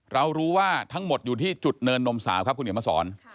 เรารู้ว่าทั้งหมดอยู่ที่จุดเนินนมสาวครับคุณเขียนมาสอน